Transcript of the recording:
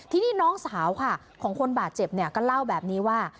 ทีนี้น้องสาวค่ะของคนบาดเจ็บเนี่ยก็เล่าแบบนี้ว่า